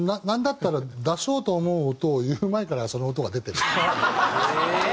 なんだったら出そうと思う音を言う前からその音が出てる。